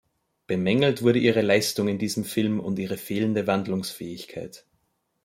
Bemängelt wurde ihre Leistung in diesem Film und ihre fehlende Wandlungsfähigkeit.